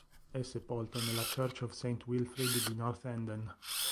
È sepolto nella Church of St Wilfrid di Northenden.